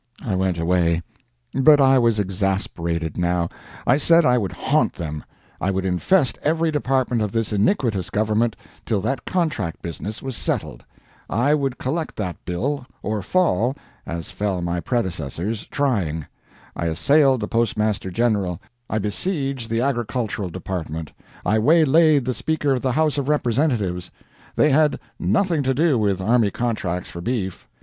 I went away. But I was exasperated now. I said I would haunt them; I would infest every department of this iniquitous government till that contract business was settled. I would collect that bill, or fall, as fell my predecessors, trying. I assailed the Postmaster General; I besieged the Agricultural Department; I waylaid the Speaker of the House of Representatives. They had nothing to do with army contracts for beef.